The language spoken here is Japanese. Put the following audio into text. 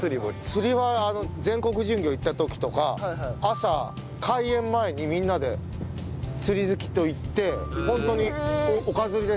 釣りは全国巡業行った時とか朝開演前にみんなで釣り好きと行ってホントにおか釣りですけどします。